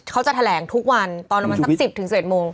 เขาจะแถลงทุกวันตอนละ๑๐ถึง๑๑โมง